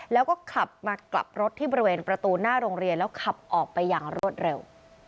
แล้วก็ขับมากลับรถที่บริเวณประตูหน้าโรงเรียนแล้วขับออกไปอย่างรวดเร็ว